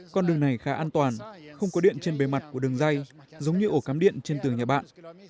con đường này khá an toàn không có điện trên bề mặt của đường dây giống như ổ cắm điện trên tường nhà bạn